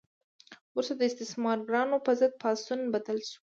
وروسته د استثمارګرانو په ضد پاڅون بدل شو.